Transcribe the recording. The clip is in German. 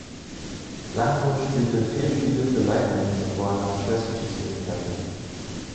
Langkow spielte vier Spiele für Lightning, bevor er nach Tri-City zurückkehrte.